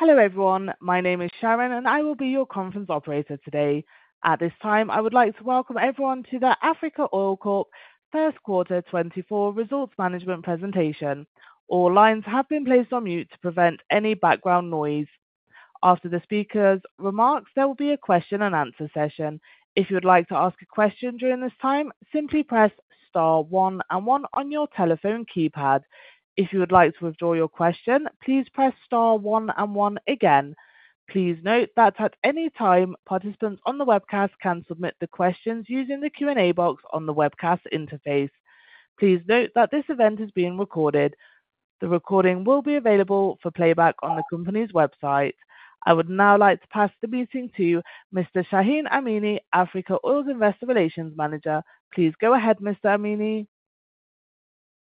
Hello, everyone. My name is Sharon, and I will be your conference operator today. At this time, I would like to welcome everyone to the Africa Oil Corp First Quarter 2024 Results Management Presentation. All lines have been placed on mute to prevent any background noise. After the speaker's remarks, there will be a question and answer session. If you would like to ask a question during this time, simply press star one and one on your telephone keypad. If you would like to withdraw your question, please press star one and one again. Please note that at any time, participants on the webcast can submit the questions using the Q&A box on the webcast interface. Please note that this event is being recorded. The recording will be available for playback on the company's website. I would now like to pass the meeting to Mr. Shahin Amini, Africa Oil's Investor Relations Manager. Please go ahead, Mr. Amini.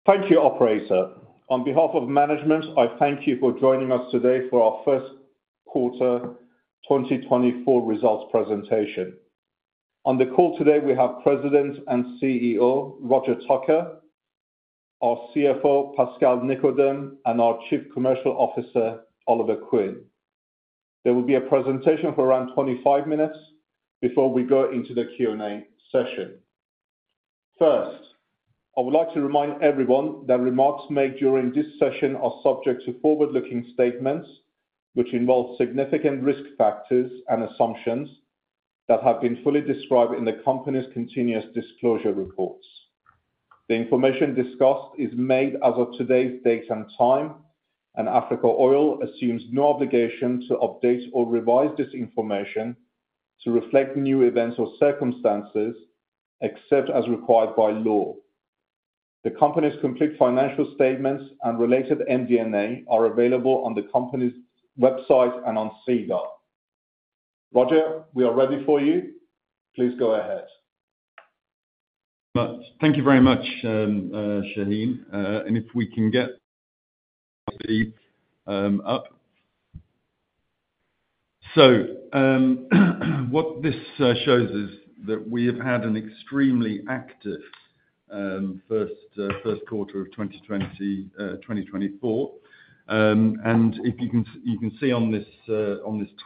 Thank you, operator. On behalf of management, I thank you for joining us today for our first quarter 2024 results presentation. On the call today, we have President and CEO, Roger Tucker, our CFO, Pascal Nicodeme, and our Chief Commercial Officer, Oliver Quinn. There will be a presentation for around 25 minutes before we go into the Q&A session. First, I would like to remind everyone that remarks made during this session are subject to forward-looking statements, which involve significant risk factors and assumptions that have been fully described in the company's continuous disclosure reports. The information discussed is made as of today's date and time, and Africa Oil assumes no obligation to update or revise this information to reflect new events or circumstances, except as required by law. The company's complete financial statements and related MD&A are available on the company's website and on SEDAR. Roger, we are ready for you. Please go ahead. Thank you very much, Shahin. And if we can get the up. So, what this shows is that we have had an extremely active first quarter of 2024. And if you can, you can see on this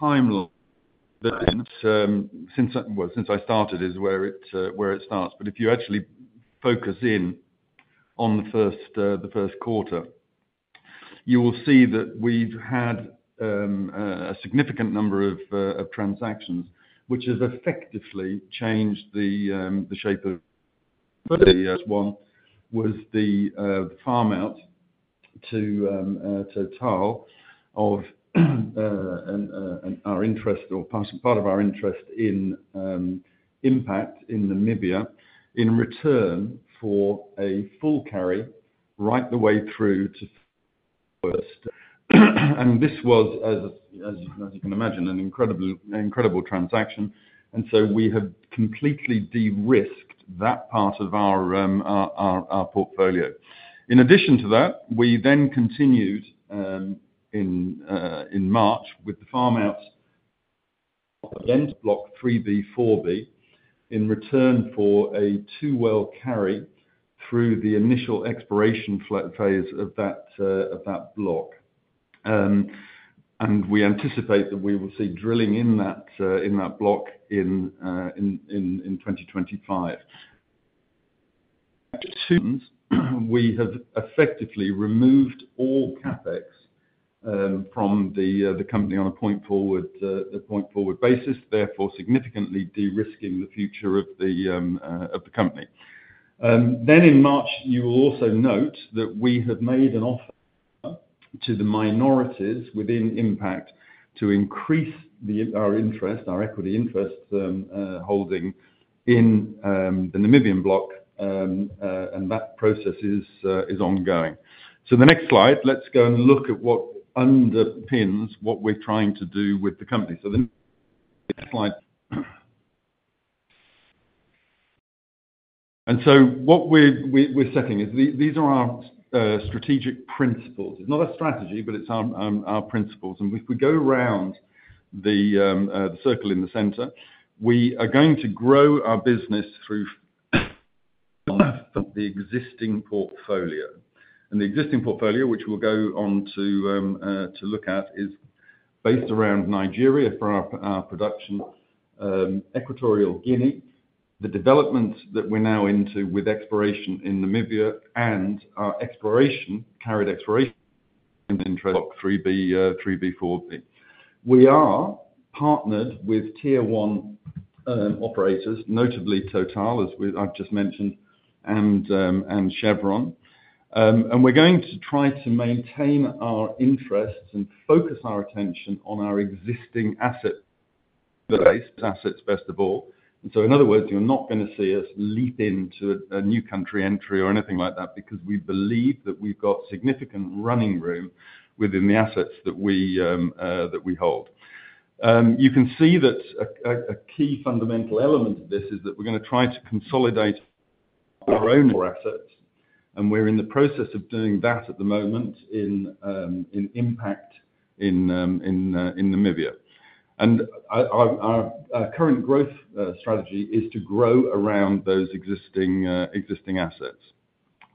timeline that, since I, well, since I started is where it starts. But if you actually focus in on the first quarter, you will see that we've had a significant number of transactions, which has effectively changed the shape of the year. One was the Farm-Out to Total of our interest or part of our interest in Impact in Namibia, in return for a full carry right the way through to first. This was, as you can imagine, an incredible transaction, and so we have completely de-risked that part of our portfolio. In addition to that, we then continued in March with the Farm-Out, then Block 3B/4B, in return for a two-well carry through the initial exploration phase of that block. And we anticipate that we will see drilling in that block in 2025. We have effectively removed all CapEx from the company on a point forward basis, therefore significantly de-risking the future of the company. Then in March, you will also note that we have made an offer to the minorities within Impact to increase the, our interest, our equity interest, holding in, the Namibian block, and that process is ongoing. So the next slide, let's go and look at what underpins what we're trying to do with the company. So the next slide. And so what we're setting is these, these are our strategic principles. It's not a strategy, but it's our principles. And if we go around the circle in the center, we are going to grow our business through the existing portfolio. The existing portfolio, which we'll go on to to look at, is based around Nigeria for our, our production, Equatorial Guinea, the developments that we're now into with exploration in Namibia and our exploration, carried exploration in Block 3B/4B. We are partnered with Tier one, operators, notably Total, as we've just mentioned, and, and Chevron. And we're going to try to maintain our interests and focus our attention on our existing asset base, assets, best of all. So in other words, you're not going to see us leap into a new country entry or anything like that, because we believe that we've got significant running room within the assets that we, that we hold. You can see that a key fundamental element of this is that we're going to try to consolidate our own assets, and we're in the process of doing that at the moment in Impact in Namibia. Our current growth strategy is to grow around those existing assets.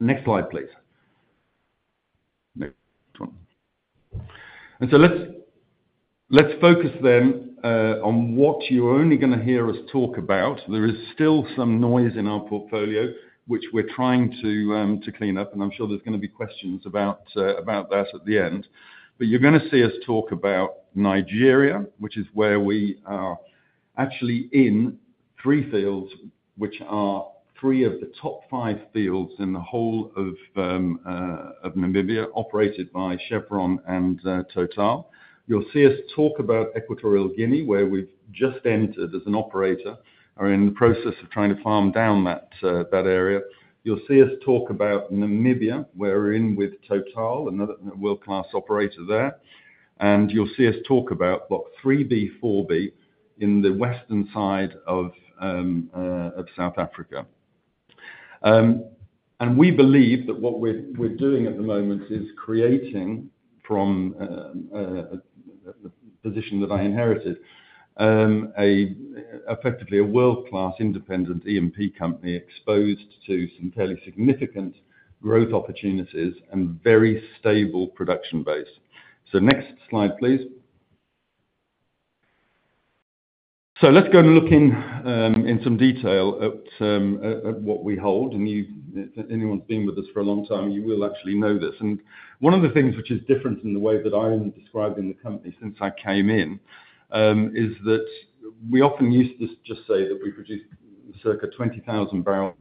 Next slide, please. No, come on. So let's focus then on what you're only gonna hear us talk about. There is still some noise in our portfolio, which we're trying to clean up, and I'm sure there's gonna be questions about that at the end. But you're gonna see us talk about Nigeria, which is where we are actually in three fields, which are three of the top five fields in the whole of Namibia, operated by Chevron and Total. You'll see us talk about Equatorial Guinea, where we've just entered as an operator, are in the process of trying to Farm-Down that area. You'll see us talk about Namibia, where we're in with Total, another world-class operator there. And you'll see us talk about Block 3B/4B in the western side of South Africa. And we believe that what we're doing at the moment is creating from the position that I inherited, effectively a world-class independent E&P company exposed to some fairly significant growth opportunities and very Stable Production Base. So next slide, please. So let's go and look in some detail at what we hold. And you, anyone been with us for a long time, you will actually know this. And one of the things which is different in the way that I'm describing the company since I came in is that we often used to just say that we produced circa 20,000 barrels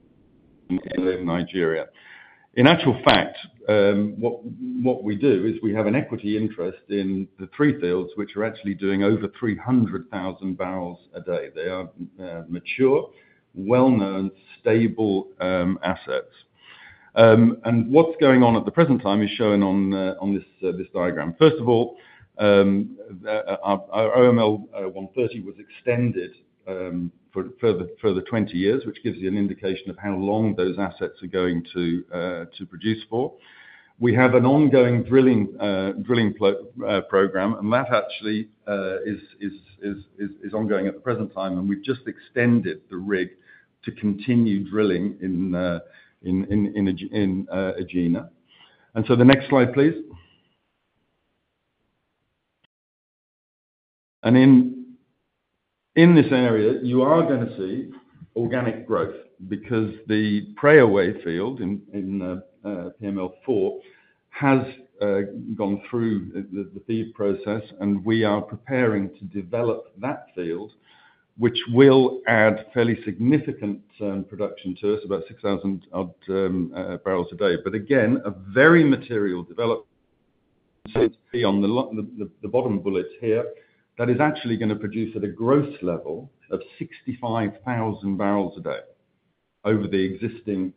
in Nigeria. In actual fact, what we do is we have an equity interest in the three fields, which are actually doing over 300,000 barrels a day. They are mature, well-known, stable assets. And what's going on at the present time is shown on this diagram. First of all, our OML 130 was extended for further 20 years, which gives you an indication of how long those assets are going to produce for. We have an ongoing drilling program, and that actually is ongoing at the present time, and we've just extended the rig to continue drilling in Egina. And so the next slide, please. And in this area, you are gonna see organic growth because the Preowei field in OML 130 has gone through the FEED process, and we are preparing to develop that field, which will add fairly significant production to us, about 6,000 barrels a day. But again, a very material development on the bottom bullets here, that is actually gonna produce at a gross level of 65,000 barrels a day over the existing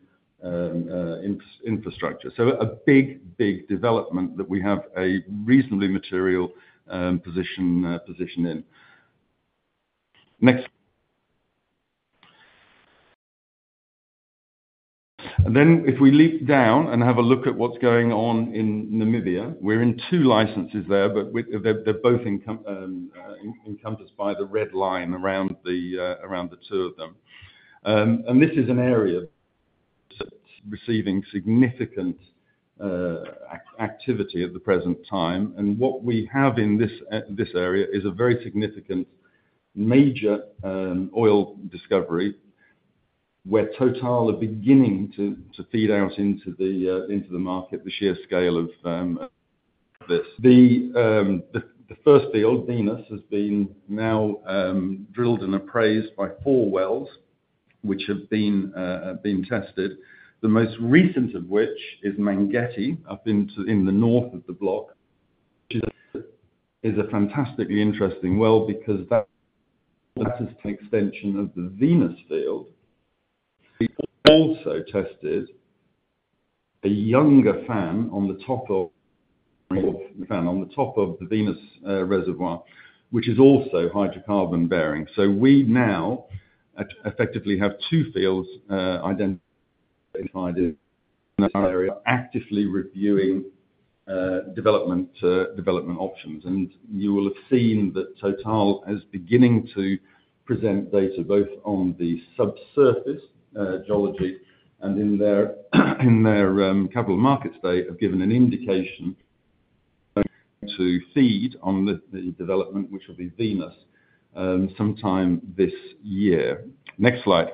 infrastructure. So a big, big development that we have a reasonably material position in. Next. And then if we leap down and have a look at what's going on in Namibia, we're in two licenses there, but they're both encompassed by the red line around the two of them. And this is an area receiving significant activity at the present time, and what we have in this area is a very significant, major oil discovery, where Total are beginning to feed out into the market, the sheer scale of this. The first field, Venus, has been now drilled and appraised by four wells, which have been tested. The most recent of which is Mangetti, up in the north of the block, is a fantastically interesting well because that is an extension of the Venus field. We also tested a younger fan on the top of the fan on the top of the Venus reservoir, which is also hydrocarbon bearing. So we now effectively have two fields identified in that area, actively reviewing development options. And you will have seen that Total is beginning to present data both on the subsurface geology and in their capital markets. They have given an indication to FEED on the development, which will be Venus sometime this year. Next slide.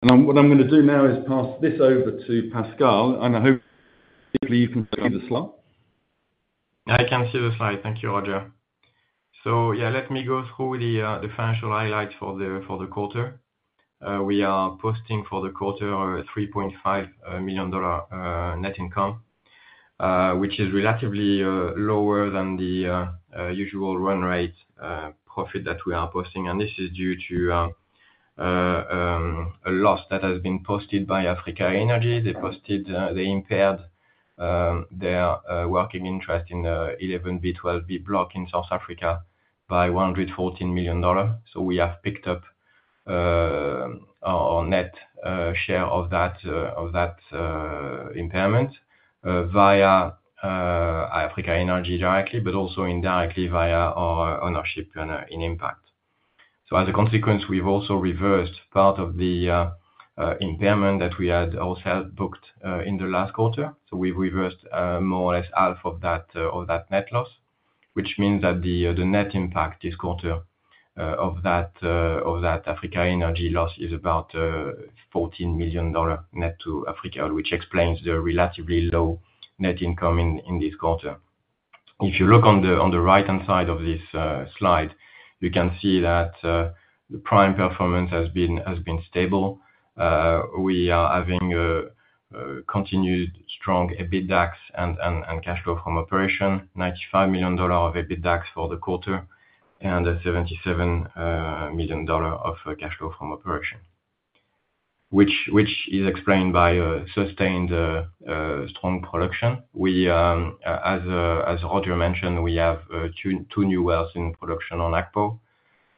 What I'm gonna do now is pass this over to Pascal, and I hope you can see the slide. I can see the slide. Thank you, Roger. So yeah, let me go through the financial highlights for the quarter. We are posting for the quarter a $3.5 million net income. Which is relatively lower than the usual run rate profit that we are posting, and this is due to a loss that has been posted by Africa Energy. They posted, they impaired their working interest in the 11B/12B block in South Africa by $114 million. So we have picked up our net share of that impairment via Africa Energy directly, but also indirectly via our ownership in Impact. So as a consequence, we've also reversed part of the impairment that we had also booked in the last quarter. So we've reversed more or less half of that net loss, which means that the net impact this quarter of that Africa Energy loss is about $14 million net to Africa, which explains the relatively low net income in this quarter. If you look on the right-hand side of this slide, you can see that the Prime performance has been stable. We are having continued strong EBITDAX and cash flow from operation, $95 million of EBITDAX for the quarter, and $77 million of cash flow from operation. Which is explained by a sustained strong production. We, as Roger mentioned, we have 2 new wells in production on Akpo.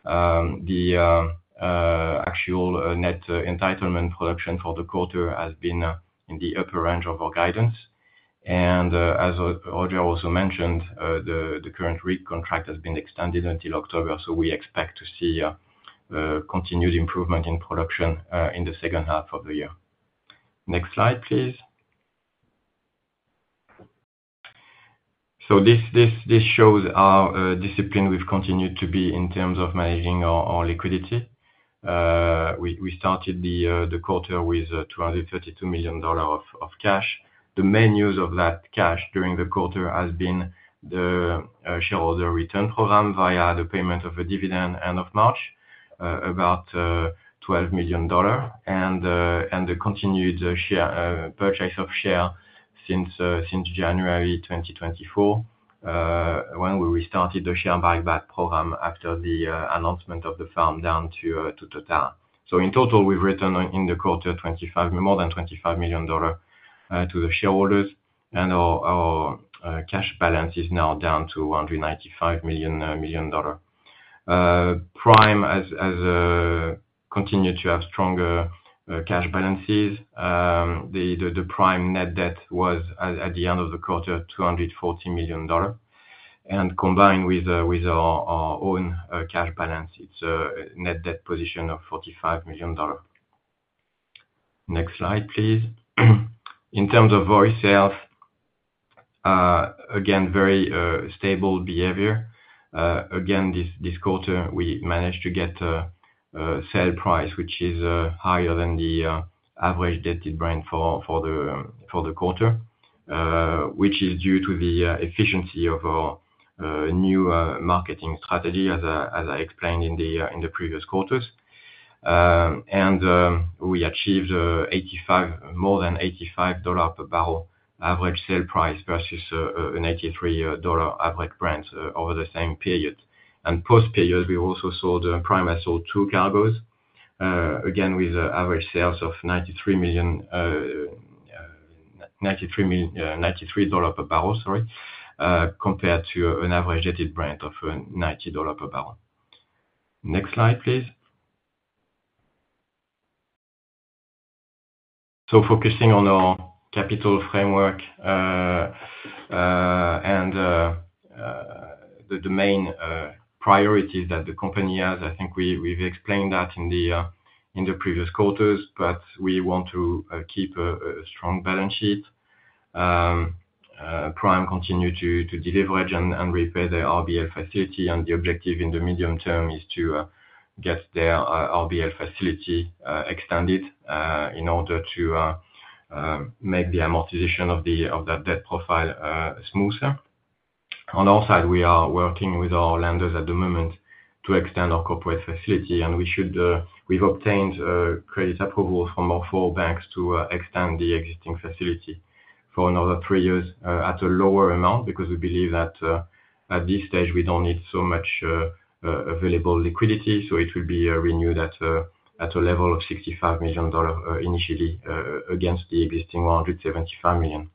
The actual net entitlement production for the quarter has been in the upper range of our guidance. And, as Roger also mentioned, the current rig contract has been extended until October, so we expect to see continued improvement in production in the second half of the year. Next slide, please. So this shows our discipline we've continued to be in terms of managing our liquidity. We started the quarter with $232 million of cash. The main use of that cash during the quarter has been the shareholder return program via the payment of a dividend end of March, about $12 million. The continued share purchase since January 2024, when we restarted the share buyback program after the announcement of the Farm-Down to Total. So in total, we've returned in the quarter more than $25 million to the shareholders, and our cash balance is now down to $195 million. Prime has continued to have stronger cash balances. The Prime net debt was at the end of the quarter $240 million. Combined with our own cash balance, it's a net debt position of $45 million. Next slide, please. In terms of oil sales, again, very stable behavior. Again, this quarter, we managed to get a sale price, which is higher than the average dated Brent for the quarter, which is due to the efficiency of our new marketing strategy, as I explained in the previous quarters. We achieved more than $85 per barrel average sale price versus an $83 average Brent over the same period. Post period, Prime sold two cargoes, again, with average sales of $93 per barrel, sorry, compared to an average dated Brent of $90 per barrel. Next slide, please. So focusing on our capital framework, and the domain priorities that the company has, I think we've explained that in the previous quarters, but we want to keep a strong balance sheet. Prime continue to deleverage and repay their RBL facility, and the objective in the medium term is to get their RBL facility extended in order to make the amortization of that debt profile smoother. On our side, we are working with our lenders at the moment to extend our corporate facility, and we should, we've obtained credit approval from our four banks to extend the existing facility for another three years at a lower amount, because we believe that at this stage we don't need so much available liquidity. So it will be renewed at a level of $65 million initially against the existing $175 million.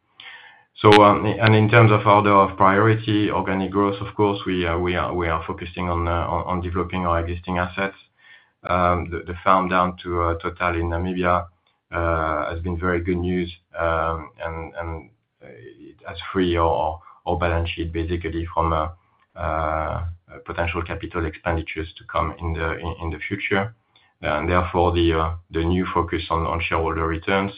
So, and in terms of order of priority, organic growth, of course, we are focusing on developing our existing assets. The Farm-Down to Total in Namibia has been very good news, and has freed our balance sheet basically from potential capital expenditures to come in the future. And therefore, the new focus on shareholder returns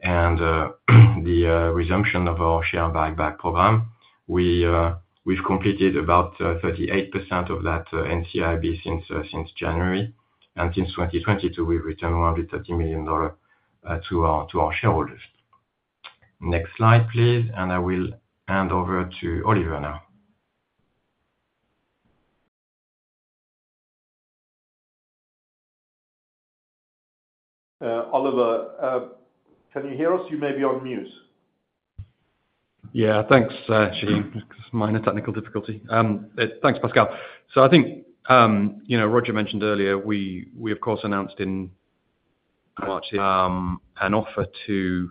and the resumption of our share buyback program. We've completed about 38% of that NCIB since January. And since 2022, we've returned around $30 million to our shareholders. Next slide, please, and I will hand over to Oliver now. Oliver, can you hear us? You may be on mute. Yeah. Thanks, Shahin. Minor technical difficulty. Thanks, Pascal. So I think, you know, Roger mentioned earlier, we of course announced in January, an offer to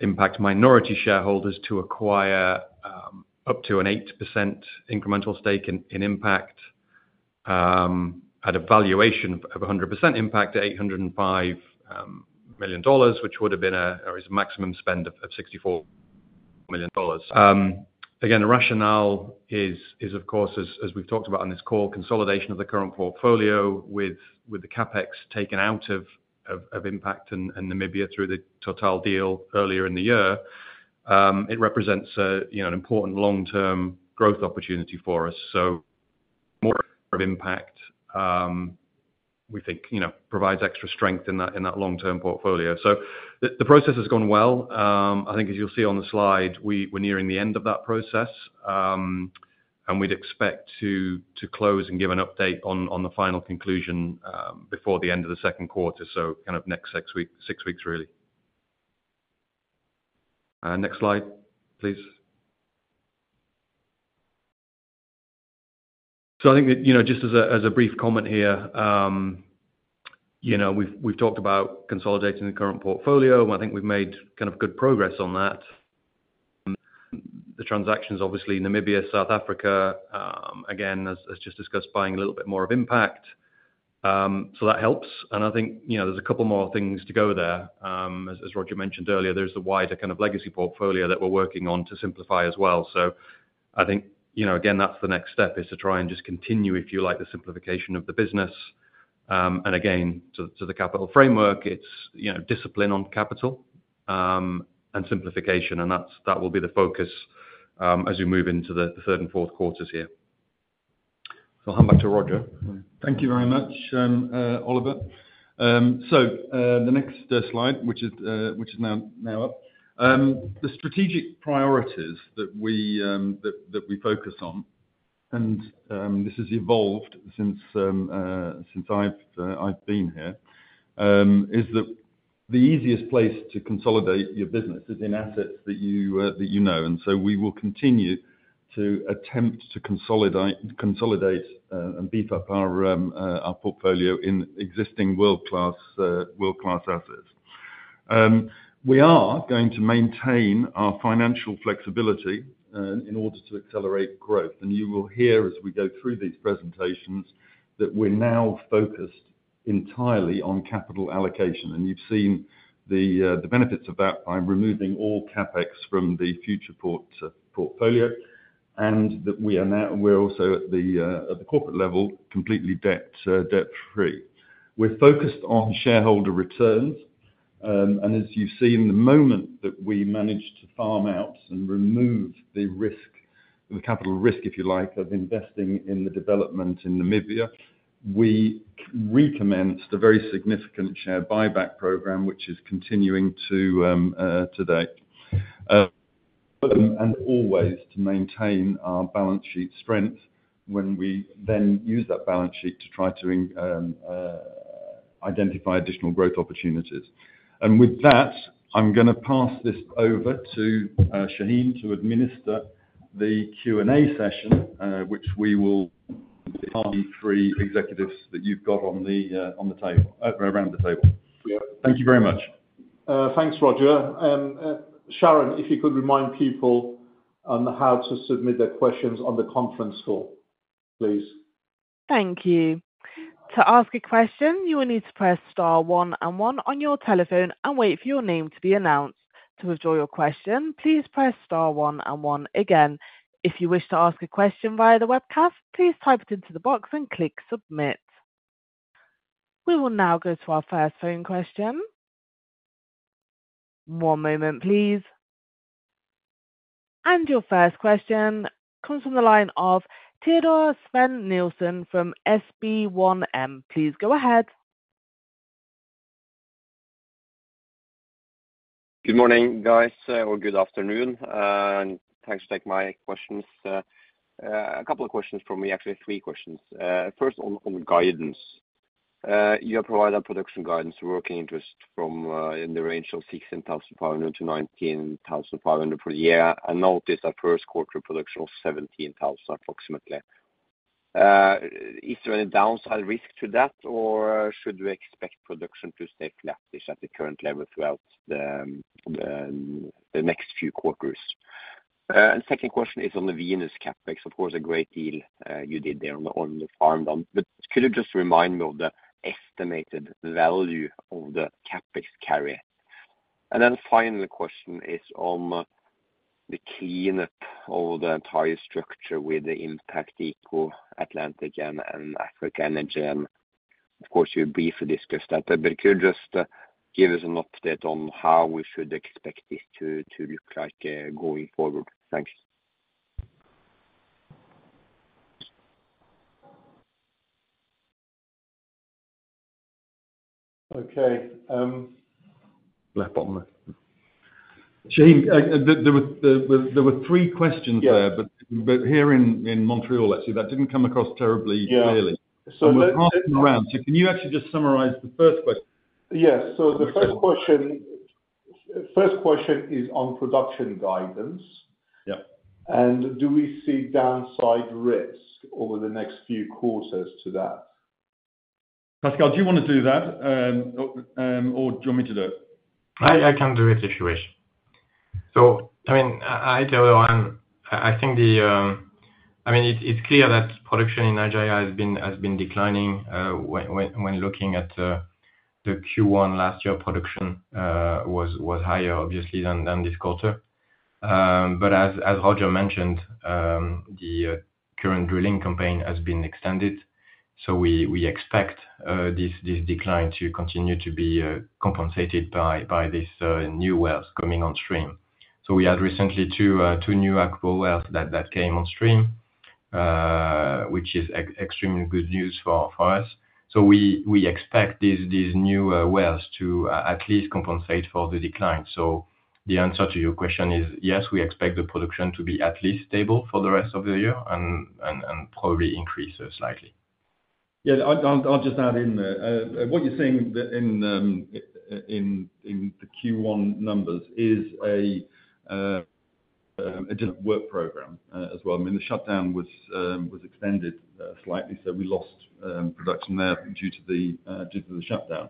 Impact minority shareholders to acquire up to an 8% incremental stake in Impact at a valuation of 100% Impact, $805 million, which would have been a, or is a maximum spend of $64 million. Again, the rationale is of course, as we've talked about on this call, consolidation of the current portfolio with the CapEx taken out of Impact and Namibia through the Total deal earlier in the year. It represents a, you know, an important long-term growth opportunity for us. So more of Impact, we think, you know, provides extra strength in that long-term portfolio. So the process has gone well. I think as you'll see on the slide, we're nearing the end of that process. And we'd expect to close and give an update on the final conclusion before the end of the second quarter, so kind of next 6 weeks, really. Next slide, please. So I think that, you know, just as a brief comment here, you know, we've talked about consolidating the current portfolio, and I think we've made kind of good progress on that. The transactions, obviously, Namibia, South Africa, again, as just discussed, buying a little bit more of Impact. So that helps. And I think, you know, there's a couple more things to go there. As Roger mentioned earlier, there's the wider kind of legacy portfolio that we're working on to simplify as well. So I think, you know, again, that's the next step, is to try and just continue, if you like, the simplification of the business. And again, to the capital framework, it's, you know, discipline on capital, and simplification, and that will be the focus, as we move into the third and fourth quarters here. So I'll hand back to Roger. Thank you very much, Oliver. So, the next slide, which is now up. The strategic priorities that we focus on, and since I've been here, is that the easiest place to consolidate your business is in assets that you know. And so we will continue to attempt to consolidate and beef up our portfolio in existing world-class assets. We are going to maintain our financial flexibility in order to accelerate growth. And you will hear as we go through these presentations, that we're now focused entirely on capital allocation. And you've seen the benefits of that by removing all CapEx from the future portfolio, and that we are now we're also at the corporate level, completely debt-free. We're focused on shareholder returns. And as you've seen, the moment that we managed to Farm-Out and remove the risk, the capital risk, if you like, of investing in the development in Namibia, we recommenced a very significant share buyback program, which is continuing to date. And always to maintain our balance sheet strength when we then use that balance sheet to try to identify additional growth opportunities. And with that, I'm gonna pass this over to Shahin to administer the Q&A session, which we will be three executives that you've got on the table around the table. Thank you very much. Thanks, Roger. Shahin, if you could remind people on how to submit their questions on the conference call, please. Thank you. To ask a question, you will need to press star one and one on your telephone and wait for your name to be announced. To withdraw your question, please press star one and one again. If you wish to ask a question via the webcast, please type it into the box and click submit. We will now go to our first phone question. One moment, please. Your first question comes from the line of Teodor Sveen-Nilsen from SB1 Markets. Please go ahead. Good morning, guys, or good afternoon, and thanks to take my questions. A couple of questions from me, actually, three questions. First on guidance. You have provided production guidance, working interest from in the range of 16,500-19,500 per year. I noticed our first quarter production was 17,000, approximately. Is there any downside risk to that, or should we expect production to stay flatish at the current level throughout the next few quarters? And second question is on the Venus CapEx. Of course, a great deal you did there on the Farm-Out. But could you just remind me of the estimated value of the CapEx carry? Then the final question is on the cleanup of the entire structure with the Impact, Eco Atlantic, and Africa Energy. And of course, you briefly discussed that, but could you just give us an update on how we should expect it to look like going forward? Thanks. Shahin, there were three questions there. But here in Montreal, actually, that didn't come across terribly clearly. Can you actually just summarize the first question? Yes. So the first question, First question is on production guidance. Yeah. Do we see downside risk over the next few quarters to that? Pascal, do you want to do that? Or do you want me to do it? I can do it if you wish. So, I mean, I tell everyone, I think, I mean, it's clear that production in Nigeria has been declining. When looking at the Q1 last year, production was higher obviously than this quarter. But as Roger mentioned, the current drilling campaign has been extended, so we expect this decline to continue to be compensated by new wells coming on stream. So we had recently two new Akpo wells that came on stream, which is extremely good news for us. So we expect these new wells to at least compensate for the decline. So the answer to your question is, yes, we expect the production to be at least stable for the rest of the year and probably increase slightly. Yeah, I'll just add in there. What you're seeing in the Q1 numbers is a delayed work program as well. I mean, the shutdown was extended slightly, so we lost production there due to the shutdown.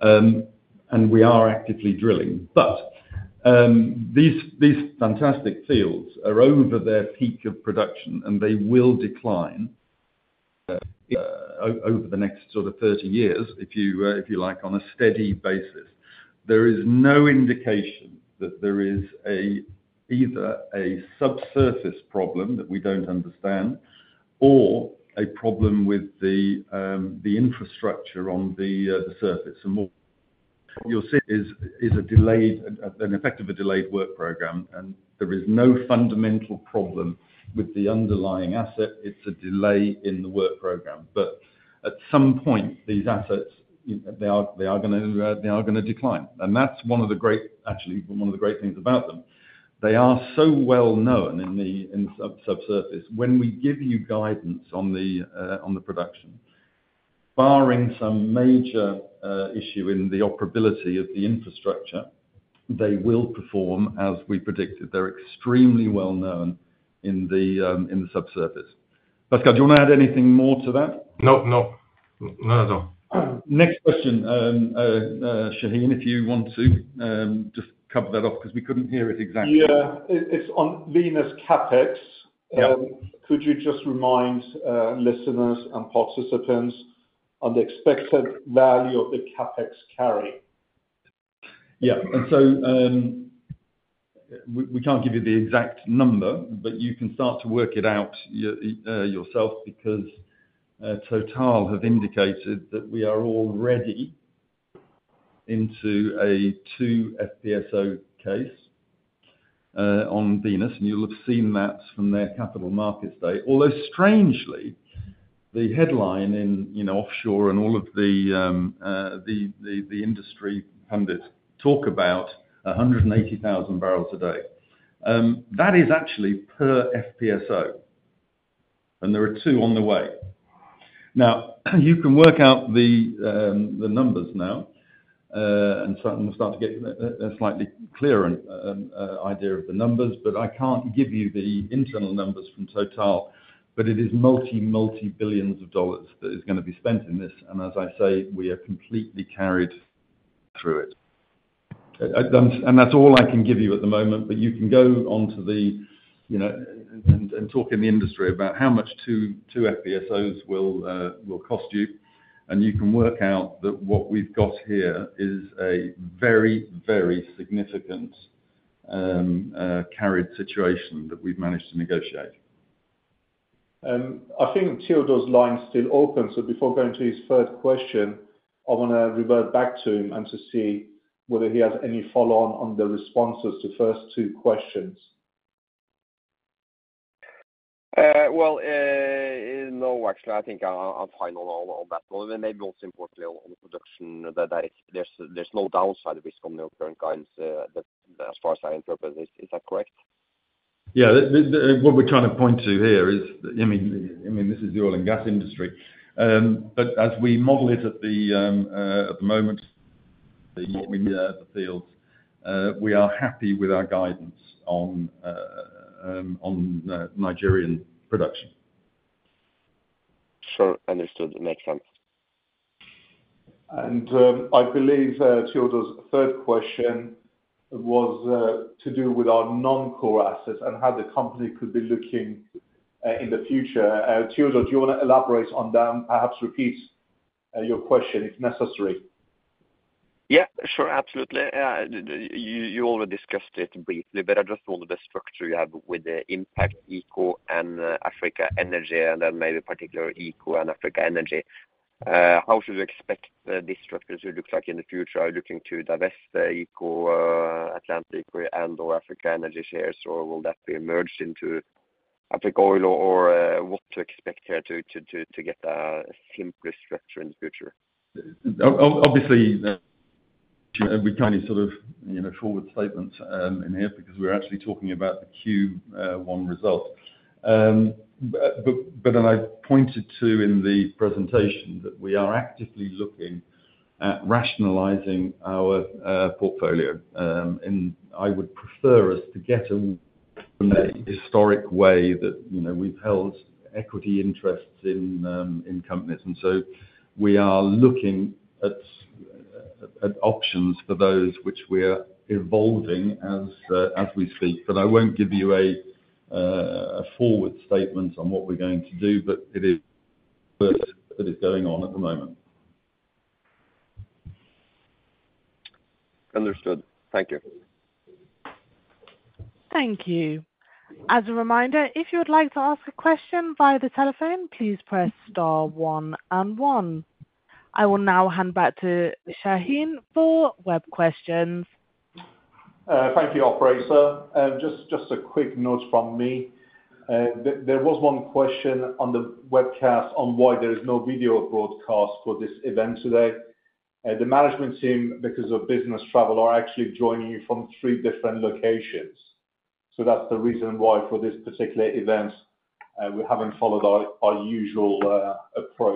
And we are actively drilling. But these fantastic fields are over their peak of production, and they will decline over the next sort of 30 years, if you like, on a steady basis. There is no indication that there is either a subsurface problem that we don't understand or a problem with the infrastructure on the surface. And what you'll see is an effect of a delayed work program, and there is no fundamental problem with the underlying asset. It's a delay in the work program. But at some point, these assets, they are gonna decline. And that's one of the great, actually, one of the great things about them. They are so well known in the subsurface. When we give you guidance on the production, barring some major issue in the operability of the infrastructure, they will perform as we predicted. They're extremely well known in the subsurface. Pascal, do you want to add anything more to that? Nope. Nope. Not at all. Next question, Shahin, if you want to just cover that off 'cause we couldn't hear it exactly. Yeah. It's on Venus CapEx.Could you just remind listeners and participants on the expected value of the CapEx carry? Yeah. And so, we can't give you the exact number, but you can start to work it out yourself, because Total have indicated that we are already into a two FPSO case, on Venus, and you'll have seen that from their Capital Markets Day. Although, strangely, the headline in, you know, offshore and all of the industry pundits talk about 180,000 barrels a day. That is actually per FPSO, and there are two on the way. Now, you can work out the numbers now, and start to get a slightly clearer idea of the numbers, but I can't give you the internal numbers from Total. But it is $multi multi-billions that is gonna be spent in this, and as I say, we are completely carried through it. And that's all I can give you at the moment, but you can go onto the, you know, and talk in the industry about how much 2, 2 FPSOs will cost you. And you can work out that what we've got here is a very, very significant carried situation that we've managed to negotiate. I think Theodore's line still open. So before going to his third question, I wanna revert back to him and to see whether he has any follow-on on the responses to first two questions. Well, no, actually, I think I'm fine on all, on that one. And maybe what's important on the production, that there's no downside risk on the current guidance, as far as I interpret. Is that correct? Yeah. What we're trying to point to here is, I mean, this is the oil and gas industry. But as we model it at the moment, the fields, we are happy with our guidance on Nigerian production. Sure. Understood. Makes sense. I believe Theodore's third question was to do with our non-core assets and how the company could be looking in the future. Theodore, do you wanna elaborate on them? Perhaps repeat your question if necessary. Yeah. Sure. Absolutely. You already discussed it briefly, but I just want the structure you have with the Impact, Eco, and Africa Energy, and then maybe particularly Eco and Africa Energy. How should you expect this structure to look like in the future? Are you looking to divest the Eco Atlantic and/or Africa Energy shares, or will that be merged into Africa Oil, or what to expect here to get a simpler structure in the future? Obviously, we've kind of sort of, you know, forward statements in here because we're actually talking about the Q1 result. But then I pointed to in the presentation that we are actively looking at rationalizing our portfolio. And I would prefer us to get them in a historic way that, you know, we've held equity interests in companies. So we are looking at options for those which we're evolving as we speak. But I won't give you a forward statement on what we're going to do, but it is going on at the moment. Understood. Thank you. Thank you. As a reminder, if you would like to ask a question via the telephone, please press star one and one. I will now hand back to Shahin for web questions. Thank you, operator. Just a quick note from me. There was one question on the webcast on why there is no video broadcast for this event today. The management team, because of business travel, are actually joining you from three different locations. So that's the reason why for this particular event, we haven't followed our usual approach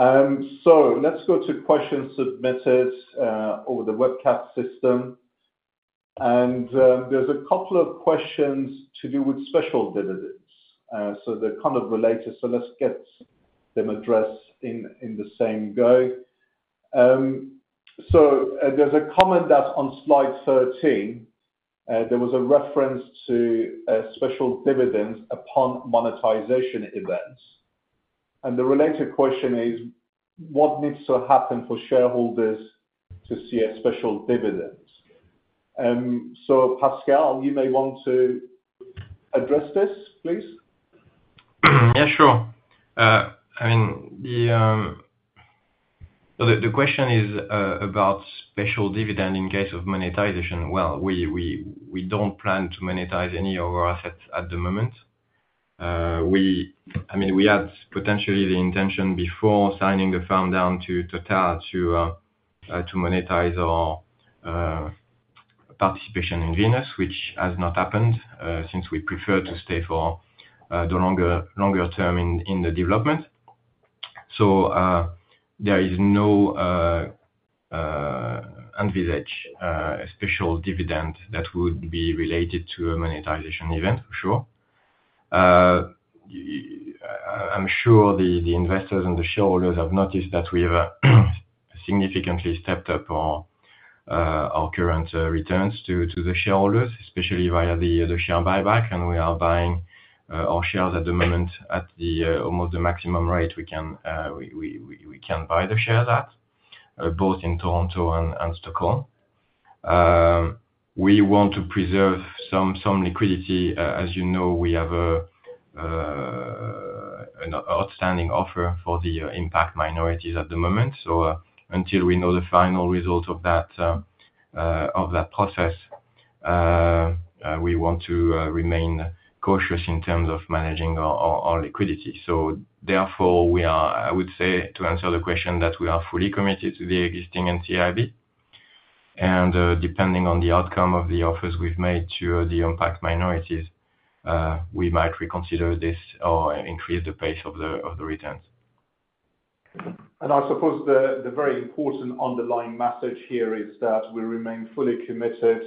of broadcasting video. So let's go to questions submitted over the webcast system. And there's a couple of questions to do with special dividends. So they're kind of related, so let's get them addressed in the same go. So there's a comment that on slide 13, there was a reference to a special dividend upon monetization events. And the related question is, what needs to happen for shareholders to see a special dividend? So Pascal, you may want to address this, please. Yeah, sure. I mean, so the question is about special dividend in case of monetization. Well, we don't plan to monetize any of our assets at the moment. I mean, we had potentially the intention before signing the Farm-Down to Total, to monetize our participation in Venus, which has not happened, since we prefer to stay for the longer term in the development. So, there is no envisaged special dividend that would be related to a monetization event, for sure. I'm sure the investors and the shareholders have noticed that we have significantly stepped up our current returns to the shareholders, especially via the share buyback. And we are buying our shares at the moment at almost the maximum rate we can buy the shares at, both in Toronto and Stockholm. We want to preserve some liquidity. As you know, we have an outstanding offer for the Impact minorities at the moment. So, until we know the final result of that, of that process, we want to remain cautious in terms of managing our liquidity. So therefore, we are, I would say, to answer the question, that we are fully committed to the existing NCIB. And, depending on the outcome of the offers we've made to the Impact minorities, we might reconsider this or increase the pace of the returns. I suppose the very important underlying message here is that we remain fully committed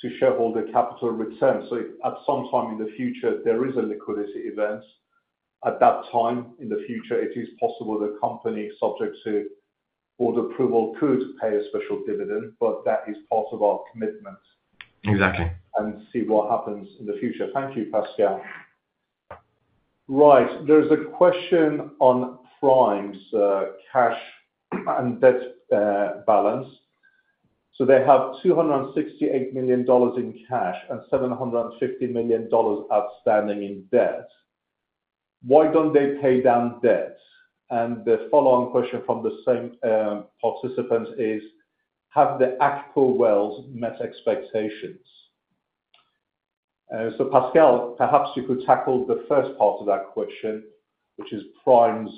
to shareholder capital returns. If at some time in the future, there is a liquidity event, at that time in the future, it is possible the company, subject to board approval, could pay a special dividend, but that is part of our commitment. Exactly. See what happens in the future. Thank you, Pascal. Right. There's a question on Prime's cash and debt balance. So they have $268 million in cash and $750 million outstanding in debt. Why don't they pay down debt? And the follow-on question from the same participant is: Have the actual wells met expectations? So Pascal, perhaps you could tackle the first part of that question, which is Prime's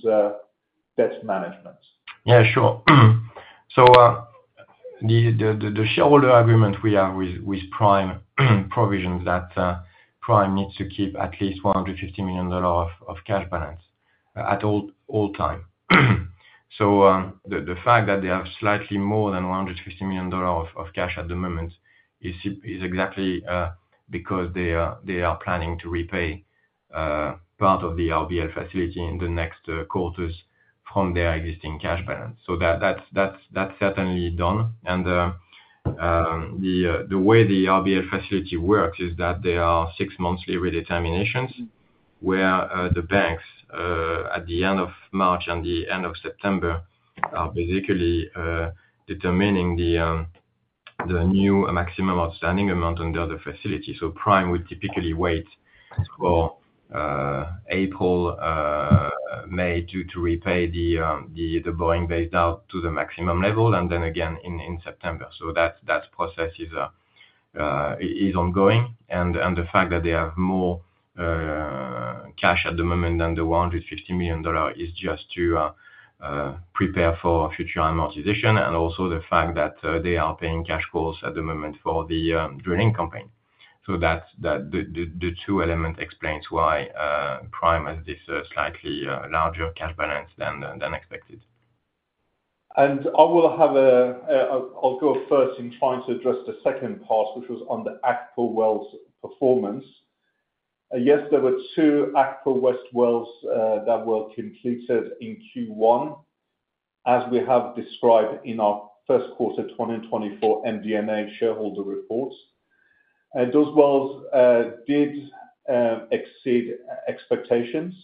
debt management. Yeah, sure. So, the shareholder agreement we have with Prime provisions that Prime needs to keep at least $150 million of cash balance at all time. So, the fact that they have slightly more than $150 million of cash at the moment is exactly because they are planning to repay part of the RBL facility in the next quarters from their existing cash balance. So that's certainly done. And the way the RBL facility works is that there are six monthly redeterminations, where the banks at the end of March and the end of September are basically determining the new maximum outstanding amount under the facility. So Prime would typically wait for April, May, to repay the borrowing-based debt to the maximum level, and then again in September. So that process is ongoing. And the fact that they have more cash at the moment than the $150 million is just to prepare for future amortization, and also the fact that they are paying cash flows at the moment for the drilling campaign. So that's the two elements explains why Prime has this slightly larger cash balance than expected. I'll go first in trying to address the second part, which was on the Akpo wells performance. Yes, there were two Akpo West wells that were completed in Q1, as we have described in our first quarter 2024 MD&A shareholder reports. And those wells did exceed expectations.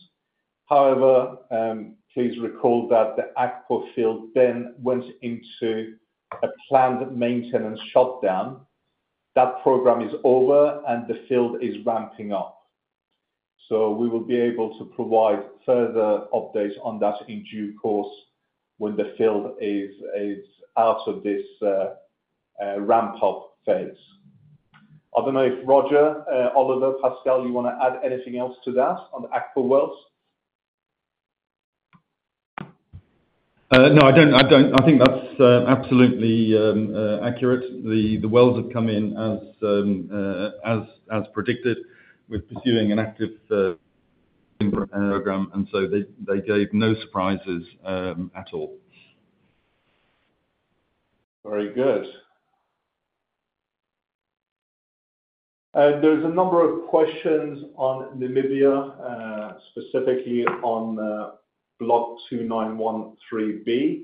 However, please recall that the Akpo field then went into a planned maintenance shutdown. That program is over, and the field is ramping up. So we will be able to provide further updates on that in due course when the field is out of this ramp up phase. I don't know if Roger, Oliver, Pascal, you want to add anything else to that on the Akpo wells? No, I don't, I don't. I think that's absolutely accurate. The wells have come in as predicted. We're pursuing an active program, and so they gave no surprises at all. Very good. There's a number of questions on Namibia, specifically on Block 2913B.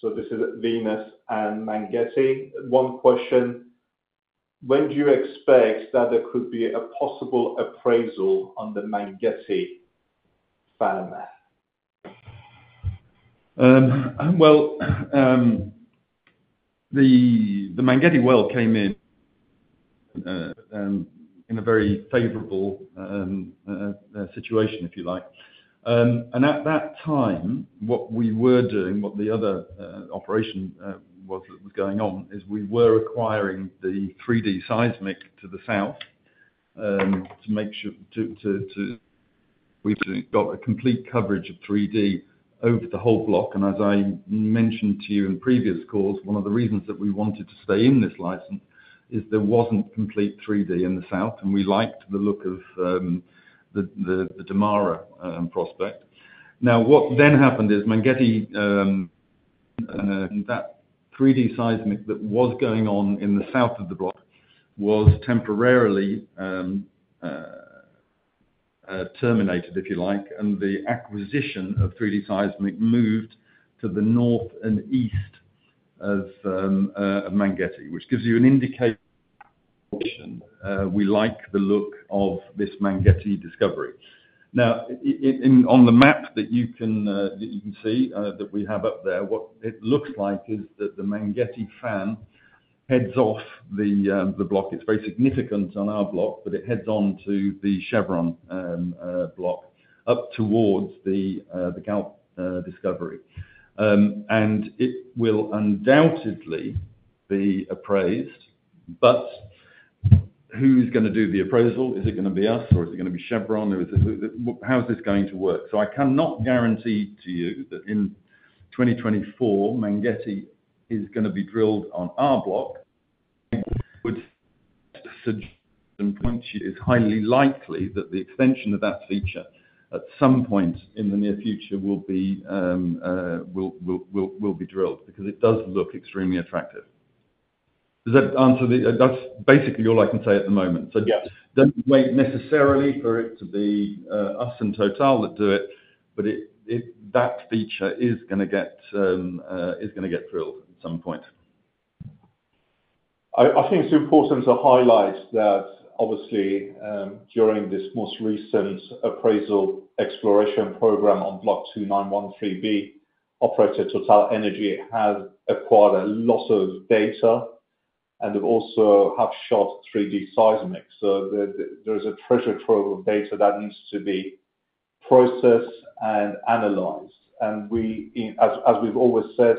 So this is Venus and Mangetti. One question: When do you expect that there could be a possible appraisal on the Mangetti farm? Well, the Mangetti well came in in a very favorable situation, if you like. And at that time, what we were doing, what the other operation was going on, is we were acquiring the three D seismic to the south, to make sure to. We've got a complete coverage of three D over the whole block, and as I mentioned to you in previous calls, one of the reasons that we wanted to stay in this license is there wasn't complete three D in the south, and we liked the look of the Damara prospect. Now, what then happened is Mangetti, that 3D seismic that was going on in the south of the block was temporarily terminated, if you like, and the acquisition of 3D seismic moved to the north and east of Mangetti, which gives you an indication we like the look of this Mangetti discovery. Now, on the map that you can see that we have up there, what it looks like is that the Mangetti fan heads off the block. It's very significant on our block, but it heads on to the Chevron block, up towards the Galp discovery. And it will undoubtedly be appraised, but who's going to do the appraisal? Is it going to be us, or is it going to be Chevron? Or is it, how is this going to work? So I cannot guarantee to you that in 2024, Mangetti is going to be drilled on our block. Would suggest and point to you, it's highly likely that the extension of that feature, at some point in the near future, will be drilled, because it does look extremely attractive. Does that answer the... That's basically all I can say at the moment. So yes, doesn't wait necessarily for it to be us and Total that do it, but it that feature is going to get drilled at some point. I think it's important to highlight that obviously, during this most recent appraisal exploration program on Block 2913B, operator TotalEnergies has acquired a lot of data and also have shot 3D seismic. So there's a treasure trove of data that needs to be processed and analyzed. And we, as we've always said,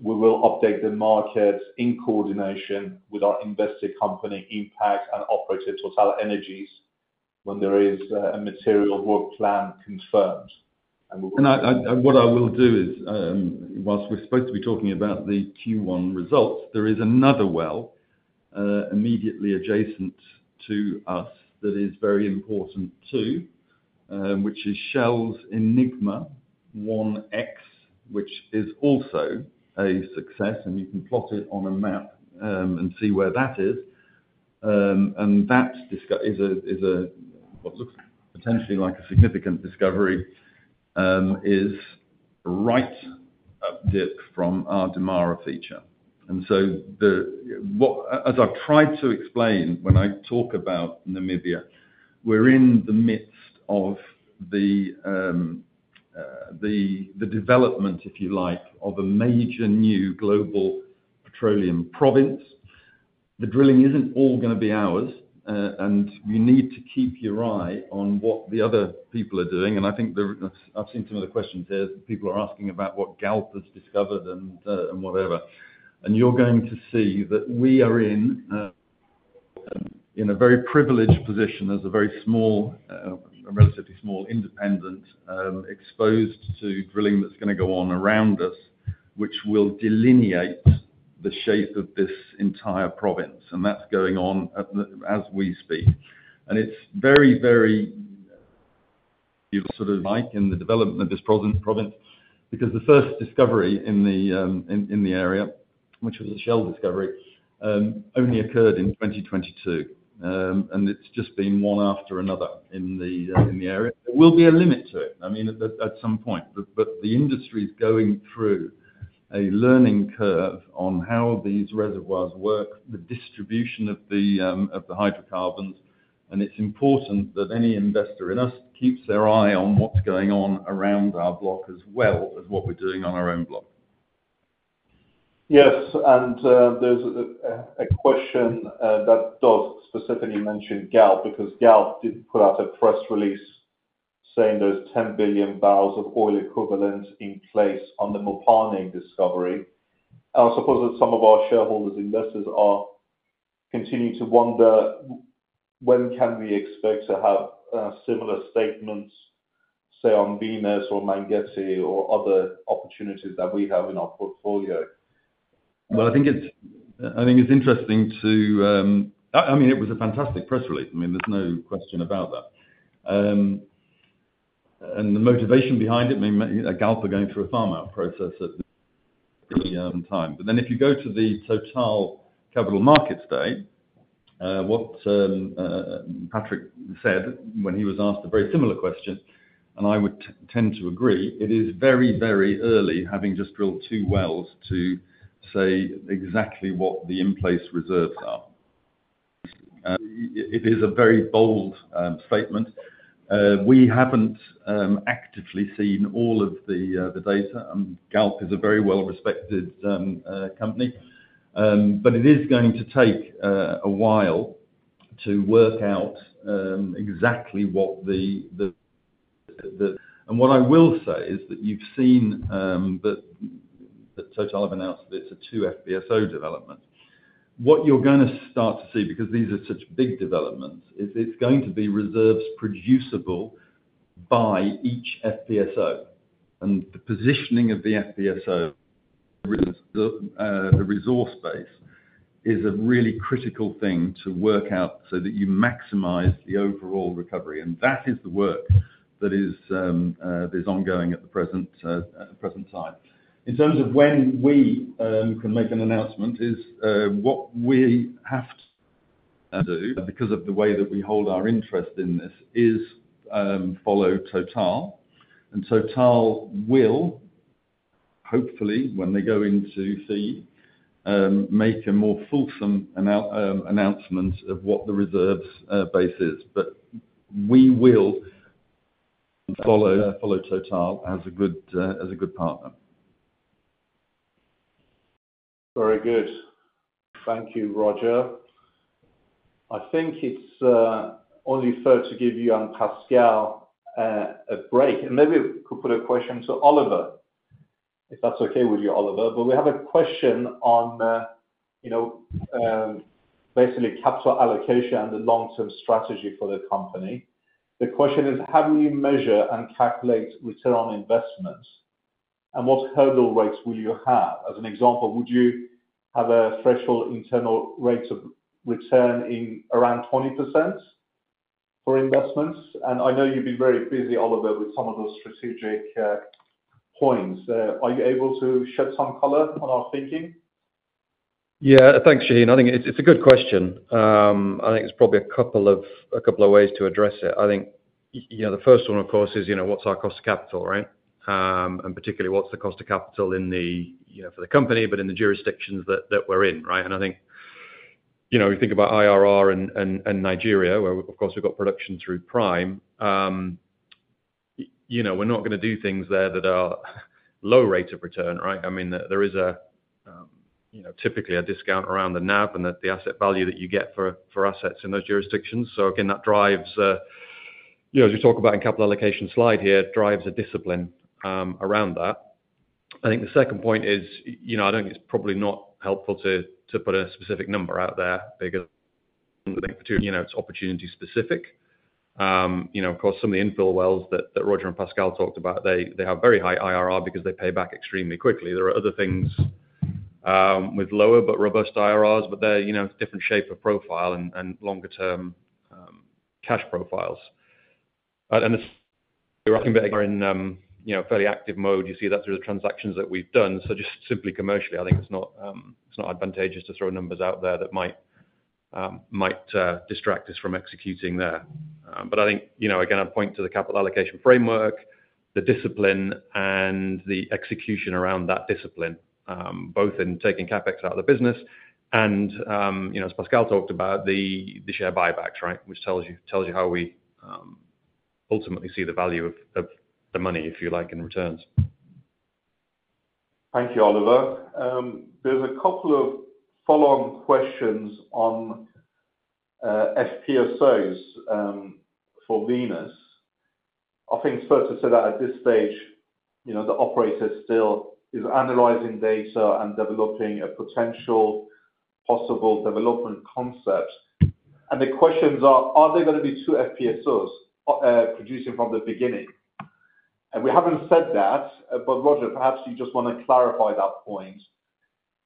we will update the market in coordination with our investee company, Impact, and operator TotalEnergies, when there is a material work plan confirmed. And we'll What I will do is, while we're supposed to be talking about the Q1 results, there is another well immediately adjacent to us that is very important too, which is Shell's Enigma-1X, which is also a success, and you can plot it on a map and see where that is. And that discovery is what looks potentially like a significant discovery, is right up dip from our Damara feature. And so, as I've tried to explain, when I talk about Namibia, we're in the midst of the development, if you like, of a major new global petroleum province. The drilling isn't all going to be ours, and you need to keep your eye on what the other people are doing. I think there, I've seen some of the questions here. People are asking about what Galp has discovered and whatever. You're going to see that we are in a very privileged position as a very small, relatively small, independent exposed to drilling that's gonna go on around us, which will delineate the shape of this entire province, and that's going on as we speak. It's very, very, sort of, like in the development of this province because the first discovery in the area, which was a Shell discovery, only occurred in 2022. And it's just been one after another in the area. There will be a limit to it, I mean, at some point, but the industry's going through a learning curve on how these reservoirs work, the distribution of the hydrocarbons. And it's important that any investor in us keeps their eye on what's going on around our block, as well as what we're doing on our own block. Yes, and, there's a question that does specifically mention Galp, because Galp did put out a press release saying there's 10 billion barrels of oil equivalent in place on the Mopane discovery. I suppose that some of our shareholders, investors are continuing to wonder when can we expect to have similar statements, say, on Venus or Mangetti or other opportunities that we have in our portfolio? Well, I think it's interesting to. I mean, it was a fantastic press release. I mean, there's no question about that. And the motivation behind it, I mean, Galp are going through a Farm-Out process at the time. But then if you go to the Total Capital Markets Day, what Patrick said when he was asked a very similar question, and I would tend to agree, it is very, very early, having just drilled two wells, to say exactly what the in-place reserves are. It is a very bold statement. We haven't actively seen all of the data, and Galp is a very well-respected company. But it is going to take a while to work out exactly what the. What I will say is that you've seen that Total have announced that it's a two FPSO development. What you're gonna start to see, because these are such big developments, is it's going to be reserves producible by each FPSO. And the positioning of the FPSO, the resource base, is a really critical thing to work out so that you maximize the overall recovery. And that is the work that is ongoing at the present time. In terms of when we can make an announcement is what we have to do, because of the way that we hold our interest in this is follow Total. And Total will, hopefully, when they go into feed, make a more fulsome announcement of what the reserves base is. But we will follow Total as a good partner. Very good. Thank you, Roger. I think it's only fair to give you and Pascal a break. And maybe we could put a question to Oliver, if that's okay with you, Oliver? But we have a question on, you know, basically capital allocation and the long-term strategy for the company. The question is: How do you measure and calculate return on investment, and what hurdle rates will you have? As an example, would you have a threshold internal rate of return in around 20% for investments? And I know you've been very busy, Oliver, with some of those strategic points. Are you able to shed some color on our thinking? Yeah. Thanks, Shahin. I think it's a good question. I think there's probably a couple of ways to address it. I think you know, the first one, of course, is you know, what's our cost of capital, right? And particularly, what's the cost of capital in the you know, for the company, but in the jurisdictions that we're in, right? And I think you know, we think about IRR and Nigeria, where, of course, we've got production through Prime. You know, we're not gonna do things there that are low rate of return, right? I mean, there is a you know, typically a discount around the NAV and the asset value that you get for assets in those jurisdictions. So again, that drives, you know, as you talk about in capital allocation slide here, drives a discipline around that. I think the second point is, you know, I think it's probably not helpful to put a specific number out there because, you know, it's opportunity-specific. You know, of course, some of the infill wells that Roger and Pascal talked about, they have very high IRR because they pay back extremely quickly. There are other things with lower but robust IRRs, but they're, you know, different shape of profile and longer-term cash profiles. And we're in, you know, fairly active mode. You see that through the transactions that we've done. So just simply commercially, I think it's not, it's not advantageous to throw numbers out there that might distract us from executing there. I think, you know, again, I'd point to the capital allocation framework, the discipline and the execution around that discipline, both in taking CapEx out of the business and, you know, as Pascal talked about, the share buybacks, right? Which tells you, tells you how we ultimately see the value of the money, if you like, in returns. Thank you, Oliver. There's a couple of follow-on questions on FPSOs for Venus. I think it's fair to say that at this stage, you know, the operator still is analyzing data and developing a potential possible development concept. And the questions are, are there gonna be two FPSOs producing from the beginning? And we haven't said that, but Roger, perhaps you just want to clarify that point,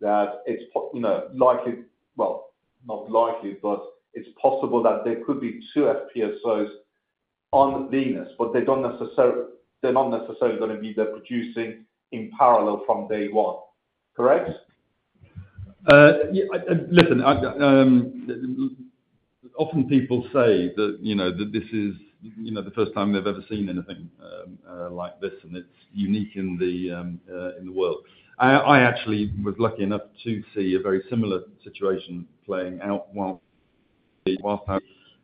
that it's, you know, likely, well, not likely, but it's possible that there could be two FPSOs on Venus, but they don't necessarily, they're not necessarily gonna be there producing in parallel from day one. Correct? Yeah, listen, I often people say that, you know, that this is, you know, the first time they've ever seen anything like this, and it's unique in the world. I actually was lucky enough to see a very similar situation playing out while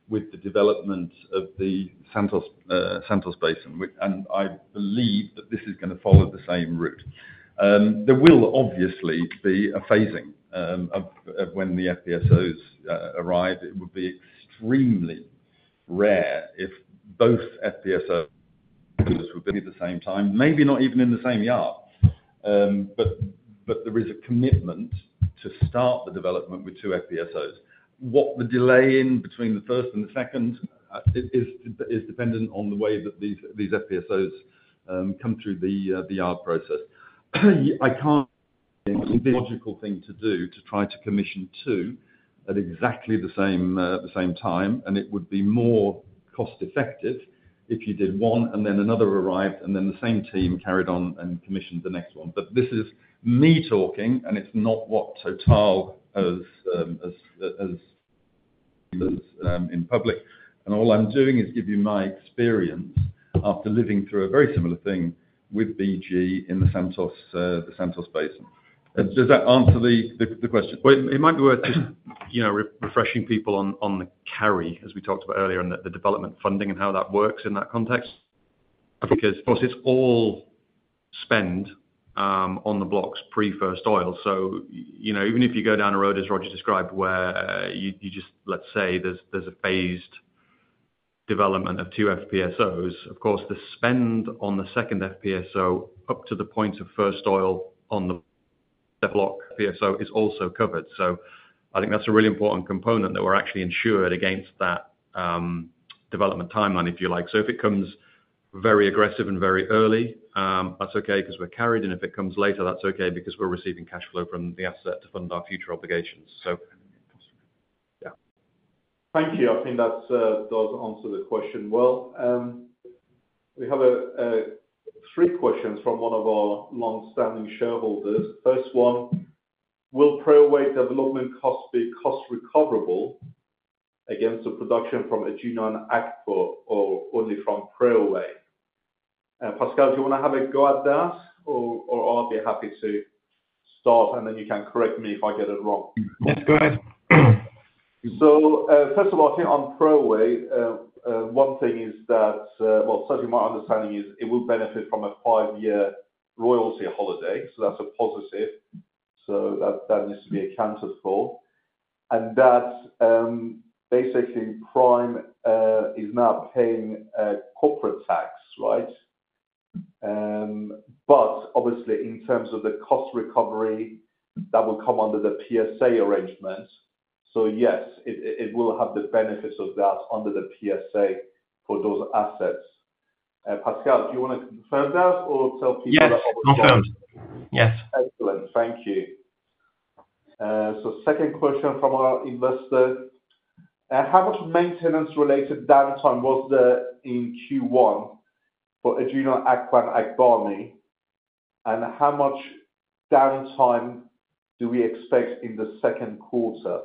with the development of the Santos Santos Basin. And I believe that this is gonna follow the same route. There will obviously be a phasing of when the FPSOs arrive. It would be extremely rare if both FPSOs would be at the same time, maybe not even in the same yard. But there is a commitment to start the development with two FPSOs. What the delay in between the first and the second is dependent on the way that these FPSOs come through the yard process. I can't think the logical thing to do to try to commission two at exactly the same time, and it would be more cost-effective if you did one, and then another arrived, and then the same team carried on and commissioned the next one. But this is me talking, and it's not what Total has as in public. And all I'm doing is giving you my experience after living through a very similar thing with BG in the Santos Basin. Does that answer the question? Well, it might be worth just, you know, re-refreshing people on the carry, as we talked about earlier, and the development funding and how that works in that context. Because, of course, it's all spend on the blocks pre-first oil. So, you know, even if you go down a road, as Roger described, where you just- let's say there's a phased development of 2 FPSOs, of course, the spend on the second FPSO, up to the point of first oil on the block FPSO, is also covered. So I think that's a really important component, that we're actually insured against that development timeline, if you like. So if it comes very aggressive and very early, that's okay because we're carried, and if it comes later, that's okay because we're receiving cash flow from the asset to fund our future obligations. So, yeah. Thank you. I think that does answer the question well. We have three questions from one of our long-standing shareholders. First one: Will Preowei development costs be cost recoverable against the production from Egina and Akpo, or only from Preowei? Pascal, do you want to have a go at that, or I'll be happy to start, and then you can correct me if I get it wrong. Yes, go ahead. So, first of all, I think on Preowei, one thing is that, well, certainly my understanding is it will benefit from a five-year royalty holiday, so that's a positive. So that, that needs to be accounted for. And that, basically Prime, is now paying a corporate tax, right? But obviously, in terms of the cost recovery, that will come under the PSA arrangement. So yes, it, it will have the benefits of that under the PSA for those assets. Pascal, do you want to confirm that or tell people? Yes, confirmed. Yes. Excellent. Thank you. So second question from our investor: how much maintenance-related downtime was there in Q1 for Egina, Akpo, and Agbami? And how much downtime do we expect in the second quarter?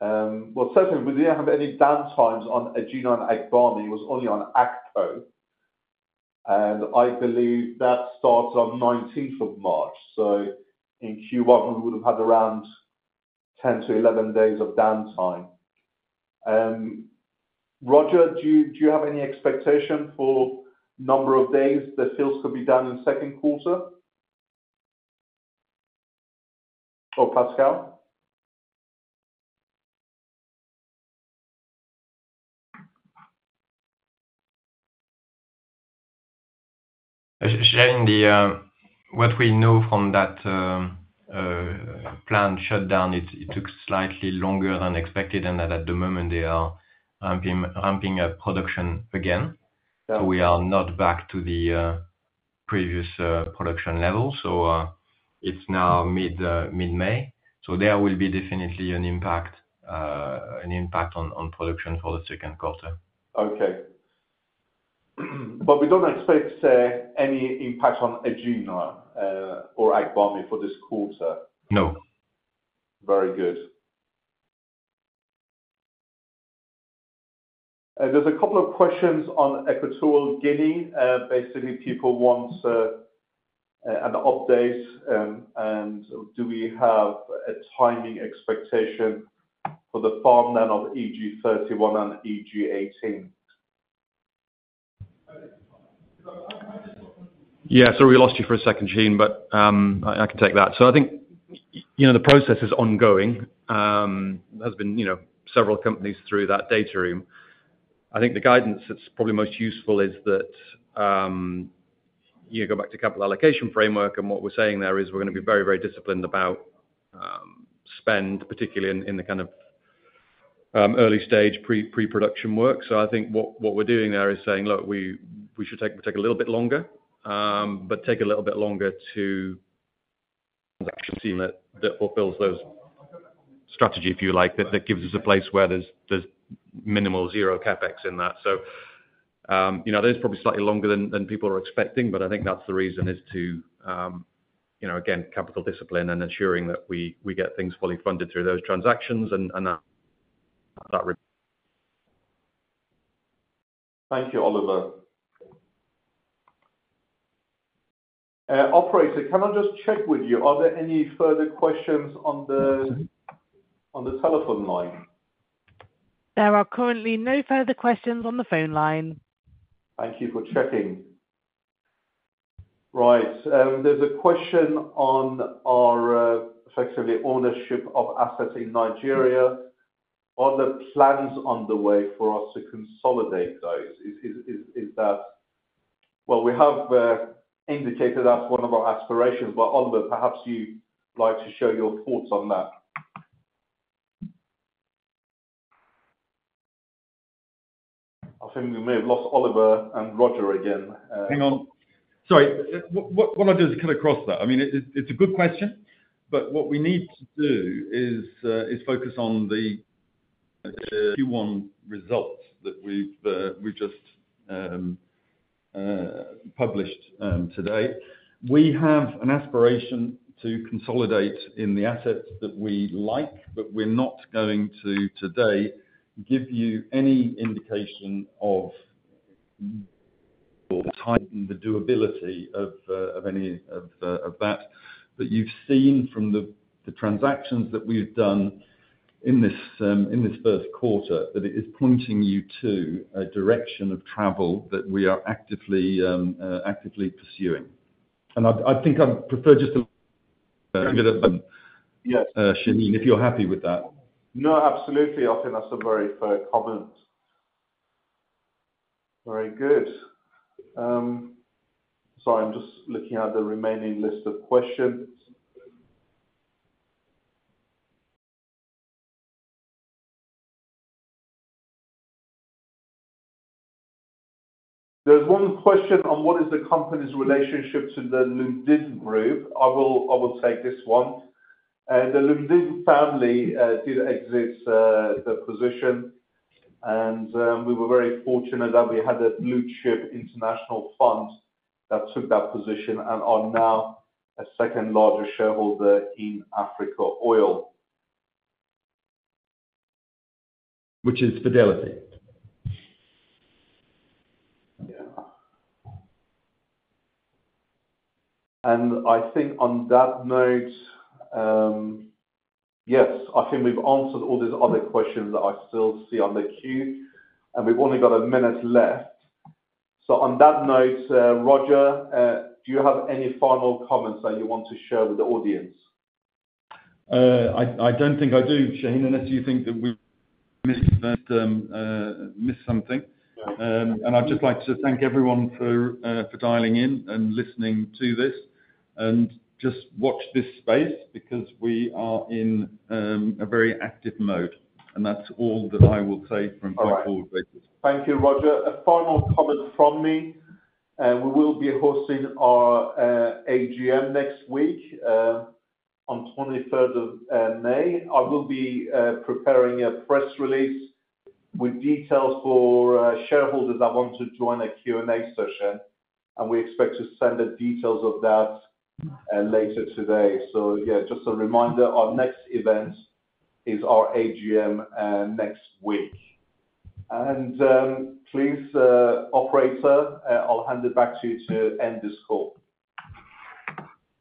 Well, certainly we didn't have any downtimes on Egina and Agbami, it was only on Akpo. And I believe that started on 19th of March. So in Q1, we would have had around 10-11 days of downtime. Roger, do you, do you have any expectation for number of days the fields could be down in second quarter? Or Pascal? Sharing what we know from that plant shutdown, it took slightly longer than expected, and at the moment they are ramping up production again. We are not back to the previous production level. So, it's now mid-May, so there will be definitely an impact on production for the second quarter. Okay. But we don't expect any impact on Egina, or Agbami for this quarter? No. Very good. There's a couple of questions on Equatorial Guinea. Basically, people want an update, and do we have a timing expectation for the Farm-Out of EG-31 and EG-18? Yeah. Sorry, we lost you for a second, Shahin, but I can take that. So I think. You know, the process is ongoing. There has been, you know, several companies through that data room. I think the guidance that's probably most useful is that, you go back to capital allocation framework, and what we're saying there is we're going to be very, very disciplined about, spend, particularly in the kind of, early stage pre-production work. So I think what we're doing there is saying, "Look, we should take a little bit longer, but take a little bit longer to a team that fulfills those strategy, if you like, that gives us a place where there's minimal zero CapEx in that. So, you know, that is probably slightly longer than people are expecting, but I think that's the reason is to, you know, again, capital discipline and ensuring that we get things fully funded through those transactions and that. Thank you, Oliver. Operator, can I just check with you, are there any further questions on the telephone line? There are currently no further questions on the phone line. Thank you for checking. Right, there's a question on our effectively ownership of assets in Nigeria. Are there plans underway for us to consolidate those? Is that... Well, we have indicated that's one of our aspirations, but Oliver, perhaps you'd like to show your thoughts on that. I think we may have lost Oliver and Roger again. Hang on. Sorry, what I want to do is cut across that. I mean, it's a good question, but what we need to do is focus on the Q1 results that we've just published today. We have an aspiration to consolidate in the assets that we like, but we're not going to, today, give you any indication of or tighten the doability of any of that. But you've seen from the transactions that we've done in this first quarter, that it is pointing you to a direction of travel that we are actively pursuing. And I think I'd prefer just to. Shahin, if you're happy with that. No, absolutely. I think that's a very fair comment. Very good. Sorry, I'm just looking at the remaining list of questions. There's one question on: What is the company's relationship to the Lundin Group? I will take this one. The Lundin family did exit the position, and we were very fortunate that we had a blue-chip international fund that took that position and are now a second largest shareholder in Africa Oil. Which is Fidelity. Yeah. And I think on that note, yes, I think we've answered all the other questions that I still see on the queue, and we've only got a minute left. So on that note, Roger, do you have any final comments that you want to share with the audience? I don't think I do, Shahin, unless you think that we've missed something. And I'd just like to thank everyone for dialing in and listening to this, and just watch this space because we are in a very active mode, and that's all that I will say from a forward basis. Thank you, Roger. A final comment from me, we will be hosting our AGM next week, on 23rd of May. I will be preparing a press release with details for shareholders that want to join a Q&A session, and we expect to send the details of that later today. So yeah, just a reminder, our next event is our AGM next week. And, please, operator, I'll hand it back to you to end this call.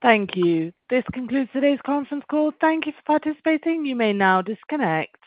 Thank you. This concludes today's conference call. Thank you for participating. You may now disconnect.